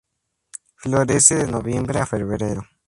Florece de noviembre a febrero.